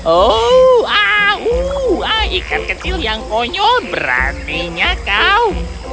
oh ikan kecil yang konyol berantinya kau